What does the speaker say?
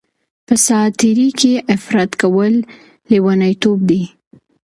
په ساعت تیرۍ کي افراط کول لیونتوب دی.